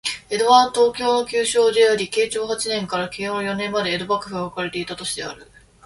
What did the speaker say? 江戸は、東京の旧称であり、慶長八年から慶応四年まで江戸幕府が置かれていた都市である